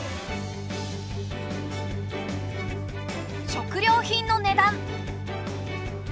食料品の値段。